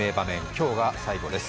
今日が最後です。